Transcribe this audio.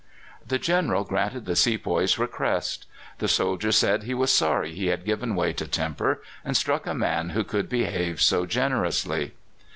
"The General granted the sepoy's request. The soldier said he was sorry he had given way to temper and struck a man who could behave so generously.